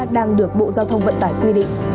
đang được bộ giao thông vận tải quy định